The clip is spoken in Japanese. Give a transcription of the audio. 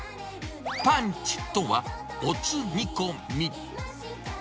パンチとは、モツ煮込み。